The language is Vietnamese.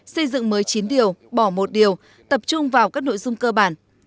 xây dựng mới chín điều bỏ một điều tập trung vào các nội dung cơ bản